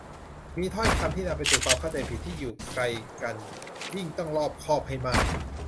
มีถ้อยคำที่นำไปสู่ความเข้าใจผิด ที่อยู่ไกลกันยิ่งต้องรอบคอบให้มาก